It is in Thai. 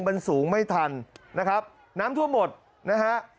มันสูงไม่ทันนะครับน้ำทั่วหมดนะฮะ